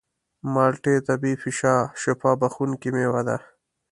مالټې طبیعي شفا بښونکې مېوه ده.